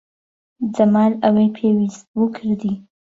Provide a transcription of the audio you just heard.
جەمال ئەوەی پێویست بوو کردی.